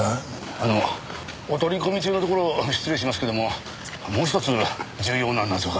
あのお取り込み中のところ失礼しますけどももうひとつ重要な謎が。